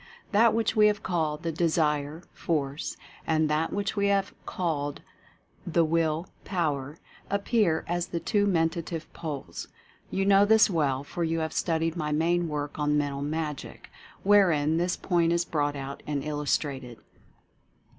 That which we have called the Desire Force, and that which we have called the Will Power, appear as the Two Mentative Poles. You know this well, for you have studied my main work on "Mental Magic," wherein this point is brought out and illustrated.